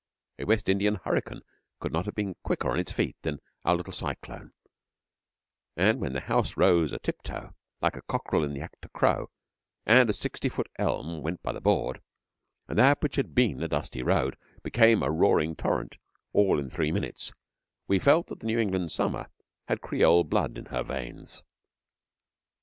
A West Indian hurricane could not have been quicker on its feet than our little cyclone, and when the house rose a tiptoe, like a cockerel in act to crow, and a sixty foot elm went by the board, and that which had been a dusty road became a roaring torrent all in three minutes, we felt that the New England summer had creole blood in her veins.